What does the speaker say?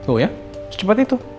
oh ya secepat itu